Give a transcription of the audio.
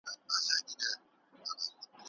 د نن ماښام راهيسي